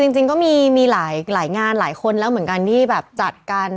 จริงก็มีหลายงานหลายคนแล้วเหมือนกันที่แบบจัดกัน